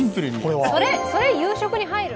それ夕食に入る。